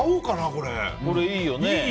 これ、いいよね。